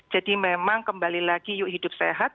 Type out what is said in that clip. jadi memang kembali lagi yuk hidup sehat